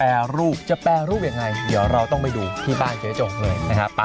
รูปจะแปรรูปยังไงเดี๋ยวเราต้องไปดูที่บ้านเจ๊จกเลยนะครับ